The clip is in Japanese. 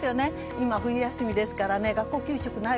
今、冬休みですから学校給食がない。